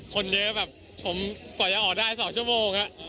คนเยอะแบบชมกว่าจะออกได้๒ชั่วโมง